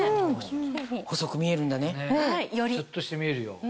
シュっとして見えるよ。